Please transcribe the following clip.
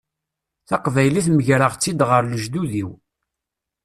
Taqbaylit megreɣ-tt-id ɣer lejdud-iw.